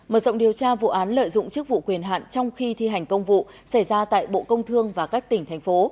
mở rộng điều tra vụ án lợi dụng chức vụ quyền hạn trong khi thi hành công vụ xảy ra tại bộ công thương và các tỉnh thành phố